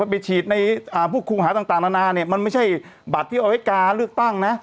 ไปฉีดในพวกครูหาต่างนานาเนี่ยมันไม่ใช่บัตรที่เอาไว้การเลือกตั้งนะ